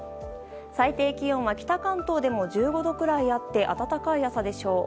最低気温は北関東でも１５度くらいあって暖かい朝でしょう。